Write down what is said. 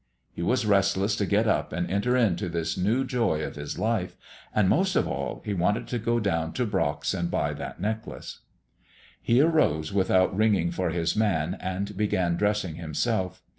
He was restless to get up and enter into this new joy of his life, and most of all he wanted to go down to Brock's and buy that necklace. He arose without ringing for his man and began dressing himself.